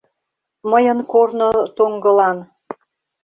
Мыйын корно тоҥгылан.